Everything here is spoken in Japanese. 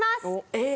えっ！